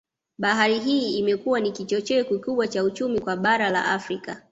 Bahari hii imekuwa ni kichocheo kikubwa cha uchumi kwa bara la Afrika